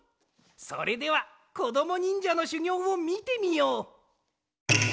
それではこどもにんじゃのしゅぎょうをみてみよう。